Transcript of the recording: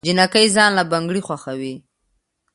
جينکۍ ځان له بنګړي خوښوي